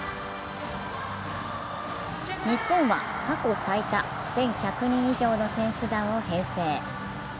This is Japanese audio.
日本は過去最多１１００人以上の選手団を編成。